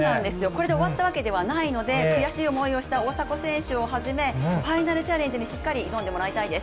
これで終わったわけではないので悔しい思いをした大迫選手をはじめファイナルチャレンジにしっかり挑んでもらいたいです。